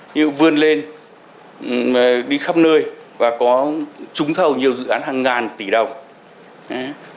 như vươn lên đi khắp nơi và có trúng thầu nhiều dự án hàng ngàn tỷ đồng